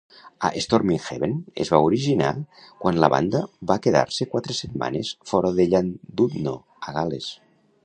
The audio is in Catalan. "A Storm in Heaven" es va originar quan la banda va quedar-se quatre setmanes fora de Llandudno, a Gales.